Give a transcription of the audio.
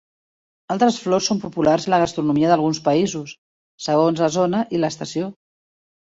Altres flors són populars en la gastronomia d'alguns països, segons la zona i l'estació.